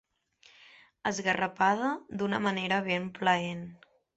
Esgarrapada d'una manera ben plaent.